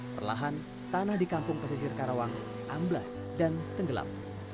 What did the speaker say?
perlahan tanah di kampung pesisir karawang amblas dan tenggelam